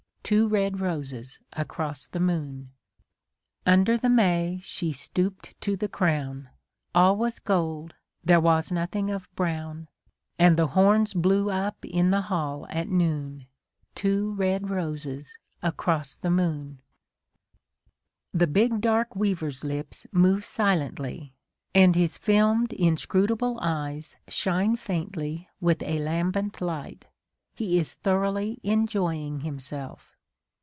Two red roses across the moon ! A DAY WITH WILLIAM MORRIS. Under the may she stoop'd to the crown, All was gold, there was nothing of brown ; And the horns blew up in the hall at noon, Two red roses across the moon. The big dark weaver's lips move silently, and his filmed inscrutable eyes shine faintly with a lambent light : he is thoroughly enjoying himself.